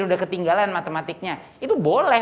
udah ketinggalan matematiknya itu boleh